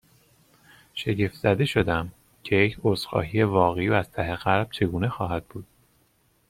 شگفت زده شدم، که یک عذرخواهی واقعی و از ته قلب چگونه خواهد بود؟